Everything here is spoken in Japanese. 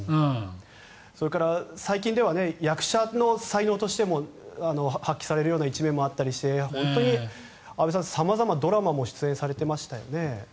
それから最近では役者の才能としても発揮されるような一面もあったりして本当に安部さん様々なドラマにも出演されていましたよね。